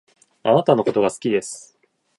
あなたのことが好きです